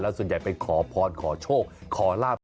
แล้วส่วนใหญ่เป็นขอพรขอโชคขอล่าพระเจ้า